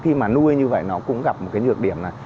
khi mà nuôi như vậy nó cũng gặp một cái nhược điểm là